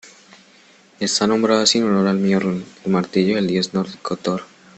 Está nombrado así en honor Mjolnir, el martillo del dios nórdico Thor.